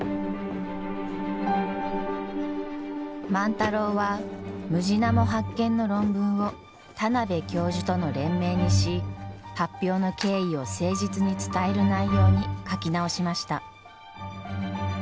万太郎はムジナモ発見の論文を田邊教授との連名にし発表の経緯を誠実に伝える内容に書き直しました。